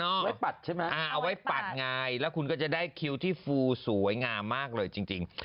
ไว้ปัดใช่ไหมเอาไว้ปัดไงแล้วคุณก็จะได้คิวที่ฟูสวยงามมากเลยจริง